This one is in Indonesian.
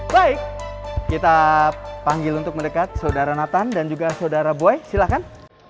baik kita panggil untuk mendekat saudara nathan dan juga saudara boy silakan